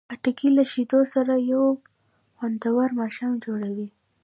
خټکی له شیدو سره یو خوندور ماښام جوړوي.